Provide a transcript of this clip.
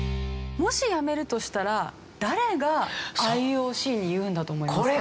もしやめるとしたら誰がＩＯＣに言うんだと思いますか？